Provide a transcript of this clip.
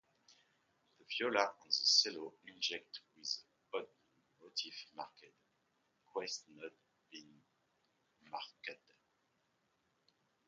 The viola and cello interject with an odd motif marked "queste note ben marcate".